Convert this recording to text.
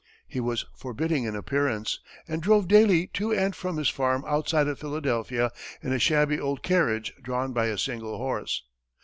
He was forbidding in appearance, and drove daily to and from his farm outside of Philadelphia in a shabby old carriage drawn by a single horse.